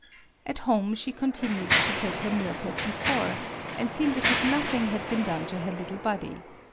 At home she continued to take her milk as before, and seemed as if nothing had been done to her little body.